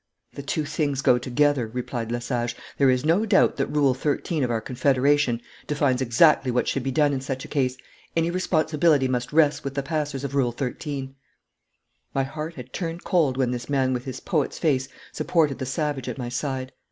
'The two things go together,' replied Lesage. 'There is no doubt that Rule 13 of our confederation defines exactly what should be done in such a case. Any responsibility must rest with the passers of Rule 13.' My heart had turned cold when this man with his poet's face supported the savage at my side.